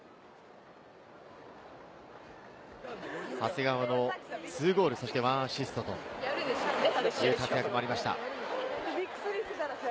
長谷川の２ゴール、そして１アシストという活躍もありました。